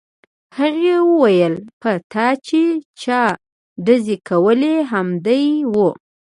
هغې وویل په تا چې چا ډزې کولې همدی و